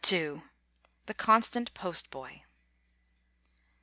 II. THE CONSTANT POST BOY.